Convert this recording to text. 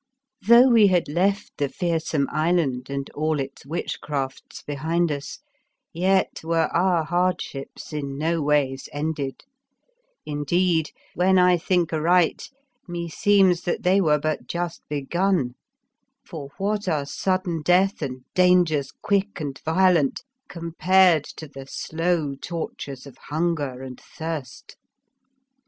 Though we had left the Fearsome Island and all its witchcrafts behind us, yet were our hardships in no ways ended; indeed, when I think aright, meseems that they were but just be gun, for, what are sudden death and dangers quick and violent compared to the slow tortures of hunger and thirst!